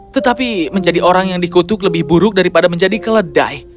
tetapi menjadi orang yang dikutuk lebih buruk daripada menjadi keledai